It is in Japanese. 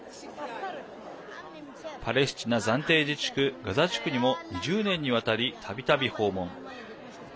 パレスチナ暫定自治区ガザ地区にも２０年にわたり、たびたび訪問。